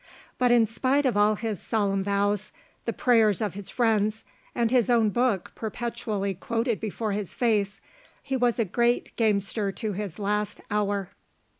But in spite of all his solemn vows, the prayers of his friends, and his own book perpetually quoted before his face, he was a great gamester to his last hour!